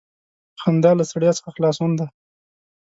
• خندا له ستړیا څخه خلاصون دی.